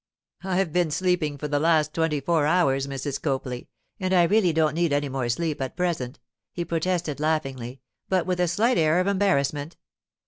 'I've been sleeping for the last twenty four hours, Mrs. Copley, and I really don't need any more sleep at present,' he protested laughingly, but with a slight air of embarrassment.